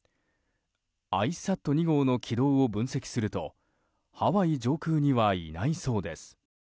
「ＩＣＥＳａｔ２号」の軌道を分析するとハワイ上空にはいないそうです。